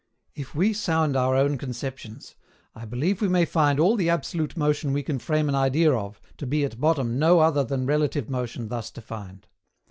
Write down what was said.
If we sound our own conceptions, I believe we may find all the absolute motion we can frame an idea of to be at bottom no other than relative motion thus defined.